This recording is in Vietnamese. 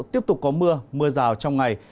tiếp tục có mưa mưa rào trong ngày